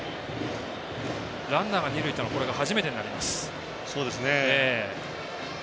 ランナーが二塁に行ったのはこれが初めてになります。